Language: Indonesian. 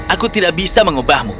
aku tidak bisa mengubahmu